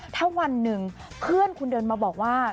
ถ้าวันหนึ่งเพื่อนคุณเดินมาบอกว่า